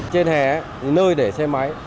trên hè nơi để xe máy